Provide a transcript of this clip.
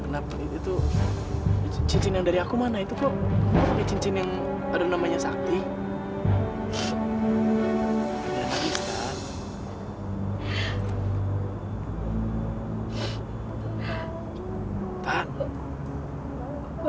sampai jumpa di video selanjutnya